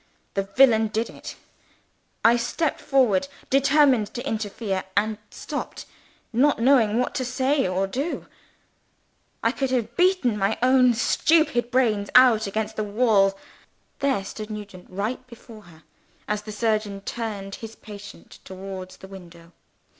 The villain did it. I stepped forward, determined to interfere and stopped, not knowing what to say or do. I could have beaten my own stupid brains out against the wall. There stood Nugent right before her, as the surgeon turned his patient towards the window.